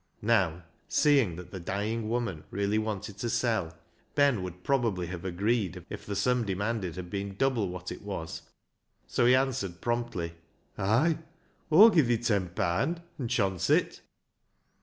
Now, seeing that the dying woman really wanted to sell, Ben would probably have agreed if the sum demanded had been double what it was, and so he answered promptly —" Ay, Aw'll gi' thi ten paand an' chonce it."